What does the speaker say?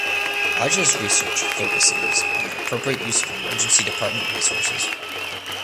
Raja’s research focuses on the appropriate use of emergency department resources.